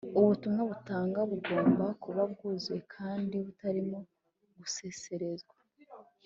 Ubutumwa butangwa bugomba kuba bwuzuye kandi butarimo guseserezwa